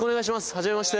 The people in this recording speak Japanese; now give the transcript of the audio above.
はじめまして。